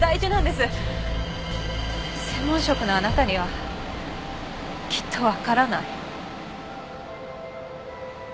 専門職のあなたにはきっとわからない。